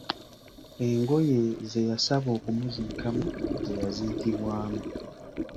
Engoye ze yasaba okumuziikamu, ze yaziikibwamu.